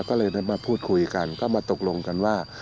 ก็เลยได้มาพูดคุยกันก็มาตกลงกันว่า